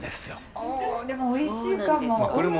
ああでもおいしいかも。